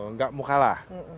nggak mau kalah